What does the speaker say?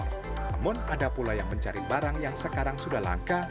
namun ada pula yang mencari barang yang sekarang sudah langka